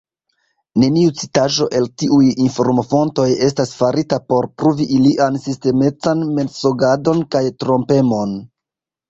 Neniu citaĵo el tiuj informofontoj estas farita por pruvi ilian sistemecan mensogadon kaj trompemon.